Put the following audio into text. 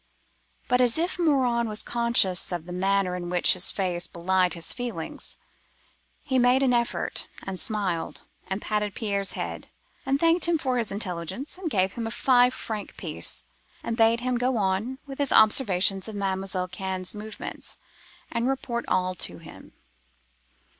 But as if Morin was conscious of the manner in which his face belied his feelings, he made an effort, and smiled, and patted Pierre's head, and thanked him for his intelligence, and gave him a five franc piece, and bade him go on with his observations of Mademoiselle Cannes' movements, and report all to him.